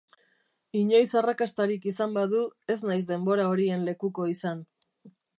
Inoiz arrakastarik izan badu, ez naiz denbora horien lekuko izan.